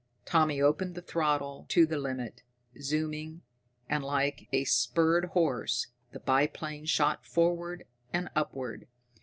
Tommy opened the throttle to the limit, zooming, and, like a spurred horse, the biplane shot forward and upward.